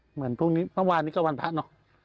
เหมือนพรุ่งนี้เมื่อวานนี้ก็วันพระเนอะ